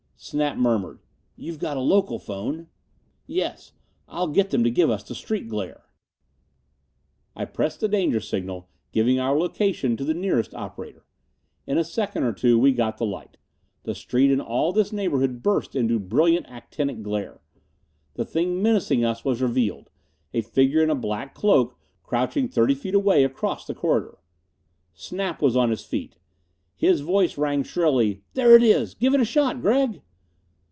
Snap murmured, "You've got a local phone." "Yes! I'll get them to give us the street glare!" I pressed the danger signal, giving our location to the nearest operator. In a second or two we got the light. The street in all this neighborhood burst into a brilliant actinic glare. The thing menacing us was revealed! A figure in a black cloak, crouching thirty feet away across the corridor. Snap was on his feet. His voice rang shrilly, "There it is! Give it a shot, Gregg!"